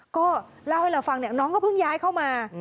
ก็เล่าให้เราฟังน้องก็เพิ่งย้ายเข้ามา